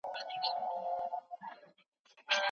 که موږ خپله ژبه وساتو، نو کلتوري ارزښتونه به به نه مړهیږي.